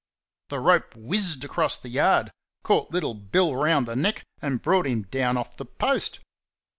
The rope whizzed across the yard, caught little Bill round the neck, and brought him down off the post.